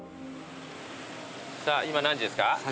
さぁ今何時ですか？